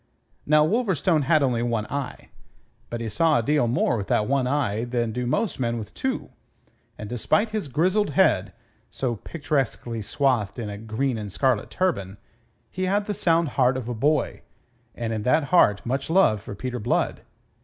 Now Wolverstone had only one eye; but he saw a deal more with that one eye than do most men with two; and despite his grizzled head so picturesquely swathed in a green and scarlet turban he had the sound heart of a boy, and in that heart much love for Peter Blood.